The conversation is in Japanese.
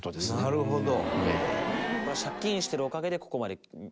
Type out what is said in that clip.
なるほど。